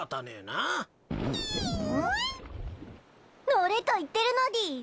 乗れと言ってるのでぃす。